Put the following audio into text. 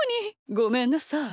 ごめんなさい。